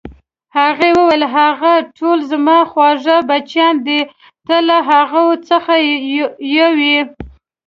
هغې وویل: هغوی ټول زما خواږه بچیان دي، ته له هغو څخه یو یې.